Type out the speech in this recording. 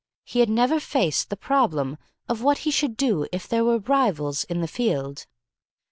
He had never faced the problem of what he should do if there were rivals in the field.